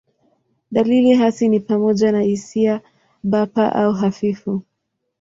Dalili hasi ni pamoja na hisia bapa au hafifu.